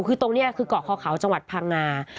คือตรงนี้คือเกาะคอเขาจังหวัดพังงา